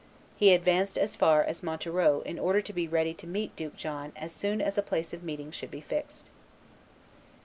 He advanced as far as Montereau in order to be ready to meet Duke John as soon as a place of meeting should be fixed.